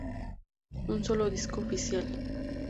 Un solo disco oficial.